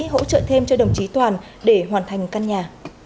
hỗ trợ thêm cho đồng chí toàn để hoàn thành căn nhà